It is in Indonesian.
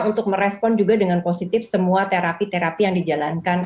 untuk merespon juga dengan positif semua terapi terapi yang dijalankan